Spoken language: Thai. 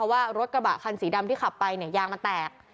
ว่ารถกระบะคันสีดำที่ขับไปเนี่ยยางมันแตก